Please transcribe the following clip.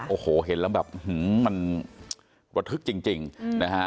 โอ้โหเห็นแล้วแบบมันระทึกจริงนะฮะ